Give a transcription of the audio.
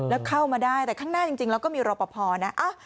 แล้วเข้ามาได้แต่ข้างหน้าจริงจริงเราก็มีรอบประพอนะ